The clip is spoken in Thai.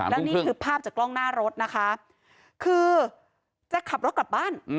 แล้วนี่คือภาพจากกล้องหน้ารถนะคะคือจะขับรถกลับบ้าน